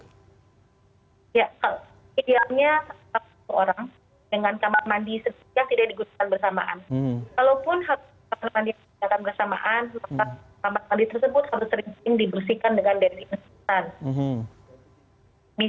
ya idealnya harus ada satu orang dengan kamar mandi segera tidak digunakan bersamaan